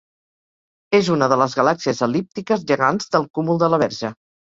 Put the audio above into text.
És una de les galàxies el·líptiques gegants del cúmul de la Verge.